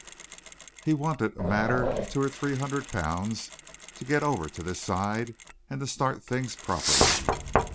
He wanted a matter of two or three hundred pounds to get over to this side, and to start things properly.